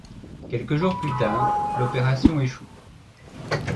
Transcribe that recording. Quelques jours plus tard, l'opération échoue.